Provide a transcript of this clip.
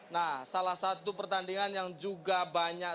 nah salah satu pertandingan yang juga banyak